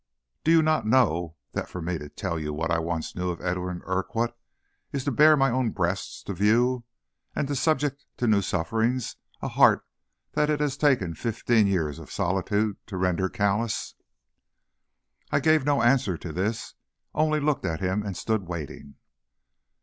Do you not know that for me to tell you what I once knew of Edwin Urquhart is to bare my own breast to view, and subject to new sufferings a heart that it has taken fifteen years of solitude to render callous?" I gave no answer to this, only looked at him and stood waiting.